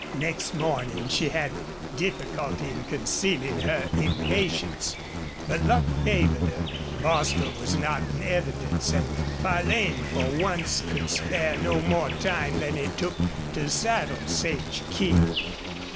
Next morning she had difficulty in concealing her impatience, but luck favored her. Bostil was not in evidence, and Farlane, for once, could spare no more time than it took to saddle Sage King.